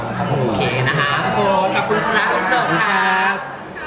โอเคนะครับขอบคุณครับ